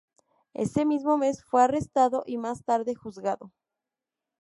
Ese mismo mes fue arrestado y más tarde juzgado.